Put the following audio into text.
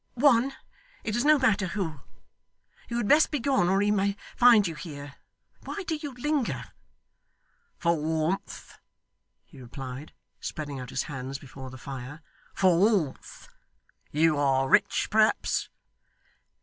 'One it is no matter who. You had best begone, or he may find you here. Why do you linger?' 'For warmth,' he replied, spreading out his hands before the fire. 'For warmth. You are rich, perhaps?